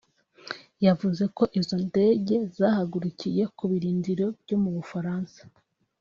yavuze ko izo ndege zahagurukiye ku birindiro byo mu Bufaransa